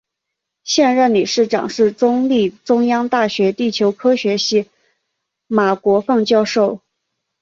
现任理事长是国立中央大学地球科学系马国凤教授。